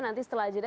nanti setelah jeda